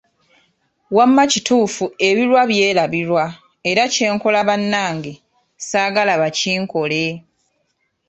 Wamma kituufu ebirwa byerabirwa era ne kyenkola bannange saagala bakinkole…!